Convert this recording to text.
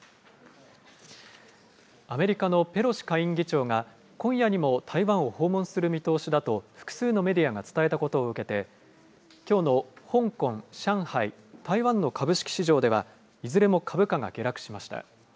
アメリカのペロシ下院議長が、今夜にも台湾を訪問する見通しだと、複数のメディアが伝えたことを受けて、きょうの香港、上海、台湾の株式市場では、いずれも株価が下落しました。